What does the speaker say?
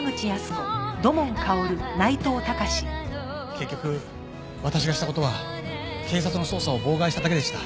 結局私がした事は警察の捜査を妨害しただけでした。